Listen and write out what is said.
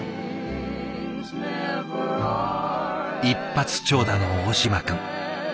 「一発長打の大島くん」。